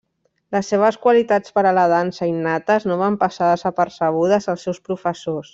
Les seves qualitats per a la dansa, innates, no van passar desapercebudes als seus professors.